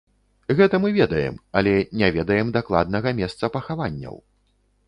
Гэта мы ведаем, але не ведаем дакладнага месца пахаванняў.